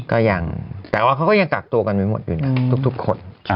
ก็ยังแต่ว่าเขาก็ยังกักตัวกันไว้หมดอยู่นะทุกคน